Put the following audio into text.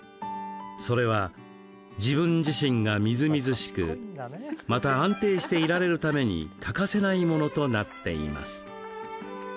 それは自分自身が、みずみずしくまた安定していられるために欠かせないものとなっています。